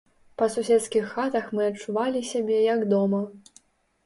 Па суседскіх хатах мы адчувалі сябе, як дома.